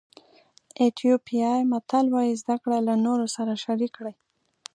ایتیوپیایي متل وایي زده کړه له نورو سره شریک کړئ.